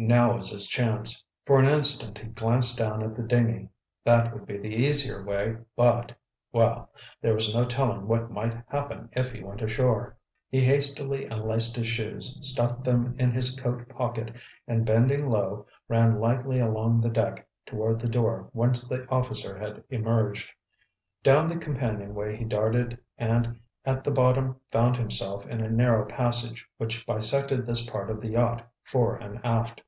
Now was his chance. For an instant he glanced down at the dinghy. That would be the easier way, but—well, there was no telling what might happen if he went ashore. He hastily unlaced his shoes, stuffed them in his coat pocket, and bending low, ran lightly along the deck toward the door whence the officer had emerged. Down the companionway he darted and at the bottom found himself in a narrow passage which bisected this part of the yacht fore and aft.